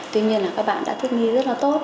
tuy nhiên là các bạn đã thích nghi rất là tốt